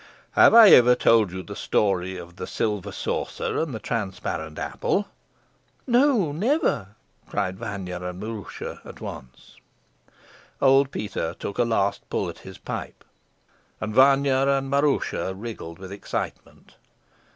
"Have I ever told you the story of 'The Silver Saucer and the Transparent Apple'?" "No, no, never," cried Vanya and Maroosia at once. Old Peter took a last pull at his pipe, and Vanya and Maroosia wriggled with excitement.